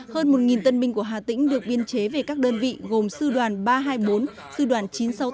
hơn một tân binh của hà tĩnh được biên chế về các đơn vị gồm sư đoàn ba trăm hai mươi bốn sư đoàn chín trăm sáu mươi tám